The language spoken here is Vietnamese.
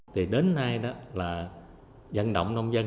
thì đến nay là dân động nông dân